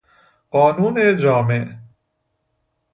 قانون جامع